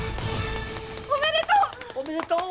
おめでとう！